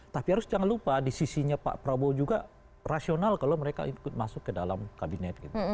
tapi harus jangan lupa di sisinya pak prabowo juga rasional kalau mereka ikut masuk ke dalam kabinet